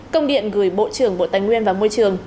công điện gửi bộ trưởng bộ tài nguyên và môi trường